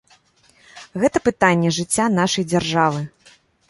Гэта пытанне жыцця нашай дзяржавы.